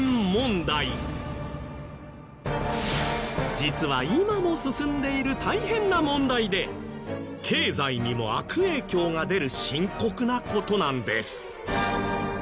実は今も進んでいる大変な問題で経済にも悪影響が出る深刻な事なんです。